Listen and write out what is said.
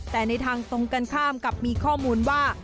แต่ในทางตรงกันข้ามกับมีข้อมูลว่า